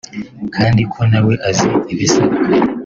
kandi ko na we azi ibisabwa